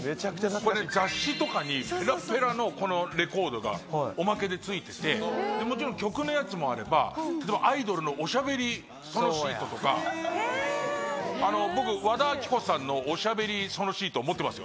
これ、雑誌とかにぺらっぺらのこのレコードが、おまけでついてて、もちろん曲のやつもあれば、アイドルのおしゃべりソノシートとか、僕、和田アキ子さんのおしゃべりソノシートを持ってますよ。